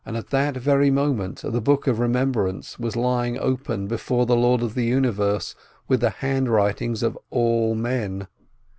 '' At that very moment the Book of Remembrance was lying open before the Lord of the Universe, with the handwritings of all men.